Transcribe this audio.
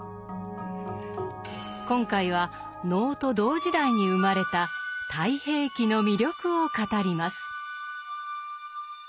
今回は能と同時代に生まれた「太平記」の魅力を語ります。